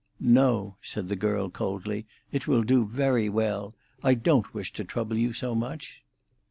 "No," said the girl coldly; "it will do very well. I don't wish to trouble you so much."